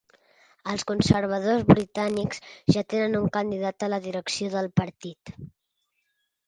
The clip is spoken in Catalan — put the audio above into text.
Els conservadors britànics ja tenen un candidat a la direcció del partit